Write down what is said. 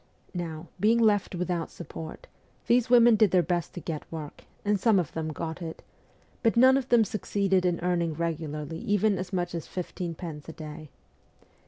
Now, being left without support, these women did their best to get work, and some of them got it, but none of them succeeded in earning regularly even as much as fifteen pence a day.